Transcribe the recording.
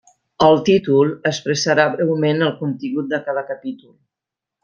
El títol expressarà breument el contingut de cada capítol.